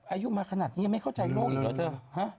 อายุมาขนาดนี้ยังไม่เข้าใจโลกอีกเหรอเธอ